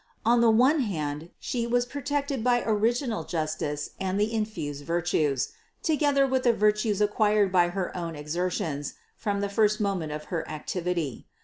On the one hand She was protected by original justice and the infused virtues, together with the virtues acquired by her own exertions from the first moment of her activity.